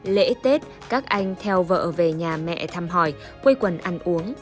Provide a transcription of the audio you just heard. lễ tết các anh theo vợ về nhà mẹ thăm hỏi quây quần ăn uống